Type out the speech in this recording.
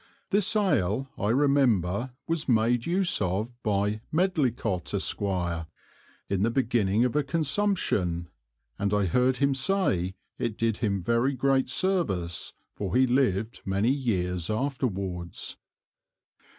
This Ale I remember was made use of by [Blank space] Medlicot Esq; in the beginning of a Consumption, and I heard him say, it did him very great Service, for he lived many Years afterwards.